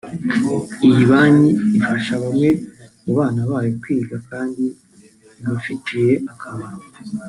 iyi banki ifasha bamwe mu bana babo kwiga kandi bibafitiye akamaro